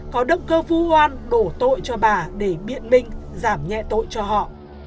có động cơ phú oan đổ tội cho bà để biện minh giảm nhẹ tội cho họ